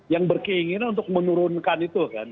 yang berkeinginan untuk menurunkan itu kan